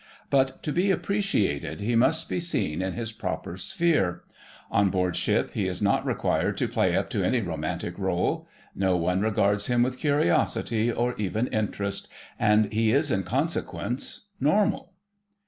But to be appreciated he must be seen in his proper sphere. On board ship he is not required to play up to any romantic rôle: no one regards him with curiosity or even interest, and he is in consequence normal.